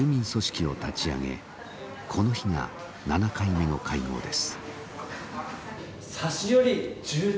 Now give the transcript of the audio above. この日が７回目の会合です。